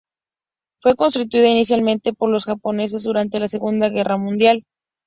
Fue construida inicialmente por los japoneses durante la Segunda Guerra Mundial.